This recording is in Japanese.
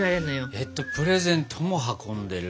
えっとプレゼントも運んでる？